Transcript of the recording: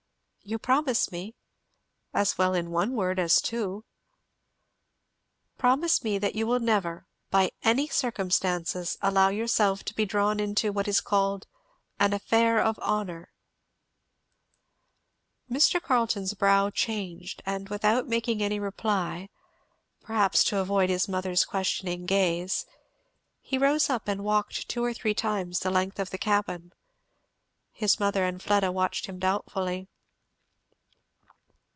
"You promise me?" "As well in one word as in two." "Promise me that you will never, by any circumstances, allow yourself to be drawn into what is called an affair of honour." Mr. Carleton's brow changed, and without making any reply, perhaps to avoid his mother's questioning gaze, he rose up and walked two or three times the length of the cabin. His mother and Fleda watched him doubtfully.